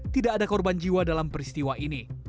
tidak ada korban jiwa dalam peristiwa ini